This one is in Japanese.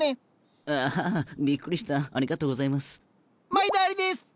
毎度ありです。